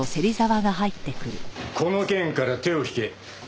この件から手を引け。